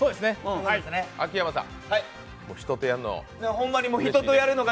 秋山さん、人とやるのが？